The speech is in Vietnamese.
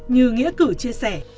như nghĩa cử chia sẻ